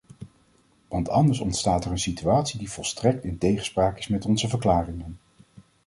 Want anders ontstaat er een situatie die volstrekt in tegenspraak is met onze verklaringen.